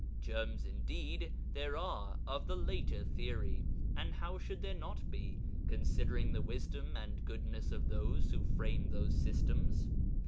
Germs indeed there are of the later theory; and how should there not be, considering the wisdom and goodness of those who framed those systems?